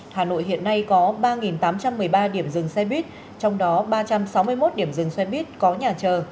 hà nội hiện nay có ba tám trăm một mươi ba điểm dừng xe buýt trong đó ba trăm sáu mươi một điểm dừng xe buýt có nhà chờ